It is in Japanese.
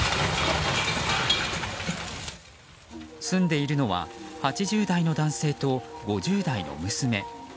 住んでいるのは８０代の男性と５０代の娘。